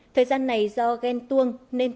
thời gian này do ghen tuông nên tuổi